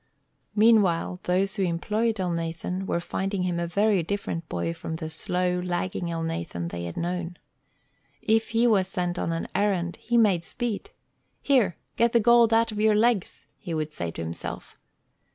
Meanwhile those who employed Elnathan were finding him a very different boy from the slow, lagging Elnathan they had known. If he was sent on an errand, he made speed. "Here! get the gold out of your legs," he would say to himself.